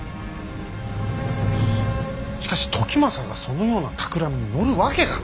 しかし時政がそのようなたくらみに乗るわけが。